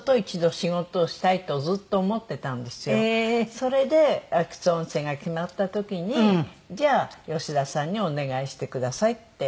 それで『秋津温泉』が決まった時に「じゃあ吉田さんにお願いしてください」って。